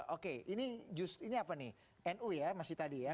oke ini jus ini apa nih nu ya masih tadi ya